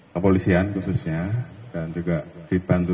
kepolisian khususnya dan juga dibantu